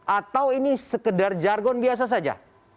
atau ini sekedar jargon biasa saja